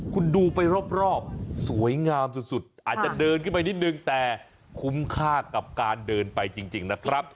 คุณดูไปรอบสวยงามสุดอาจจะเดินขึ้นไปนิดนึงแต่คุ้มค่ากับการเดินไปจริงนะครับ